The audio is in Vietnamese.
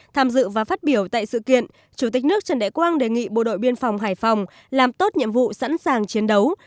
tham dự và phát biểu tại sự kiện chủ tịch nước trần đại quang đề nghị bộ đội biên phòng hải phòng làm tốt nhiệm vụ sẵn sàng chiến đấu